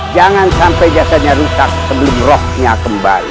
jangan sampai jasanya rusak sebelum rohnya kembali